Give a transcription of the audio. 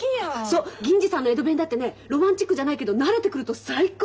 そっ銀次さんの江戸弁だってねロマンチックじゃないけど慣れてくると最高！